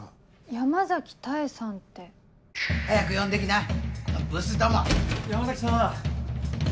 山崎多江さんって。早く呼んで来なこのブスども山崎さん